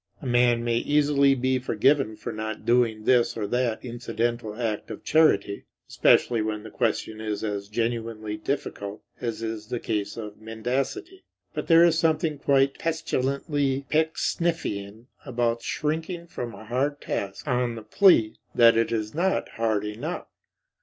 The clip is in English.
A man may easily be forgiven for not doing this or that incidental act of charity, especially when the question is as genuinely difficult as is the case of mendicity. But there is something quite pestilently Pecksniffian about shrinking from a hard task on the plea that it is not hard enough.